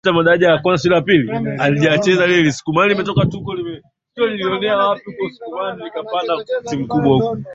Mwezi wa kwanza walifika bandari Afrika